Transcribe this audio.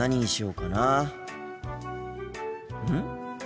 うん？